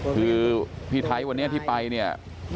คือพี่ไทยวันนี้ที่ไปเนี่ย